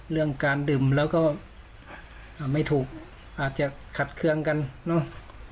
เรื่องการดื่มแล้วก็ไม่ถูกอาจจะขัดเคืองกันเนอะ